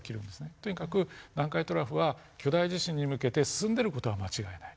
とにかく南海トラフは巨大地震に向けて進んでる事は間違いない。